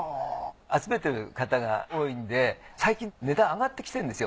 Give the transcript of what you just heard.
集めてる方が多いんで最近値段上がってきてるんですよ。